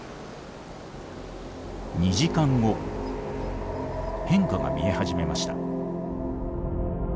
２時間後変化が見え始めました。